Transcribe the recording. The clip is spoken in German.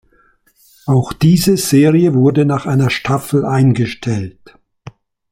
Auch diese Serie wurde nach einer Staffel eingestellt.